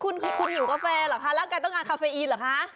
คุณหิวกาแฟหรือคะแล้วกันต้องการคาเฟอีนหรือคะ